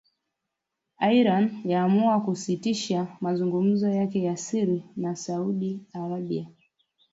Iran yaamua kusitisha mazungumzo yake ya siri na Saudi Arabia